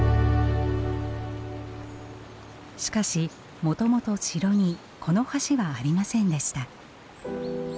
しかしもともと城にこの橋はありませんでした。